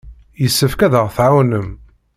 Yessefk ad aɣ-tɛawnem.